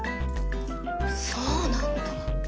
そうなんだ。